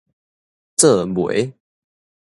做囮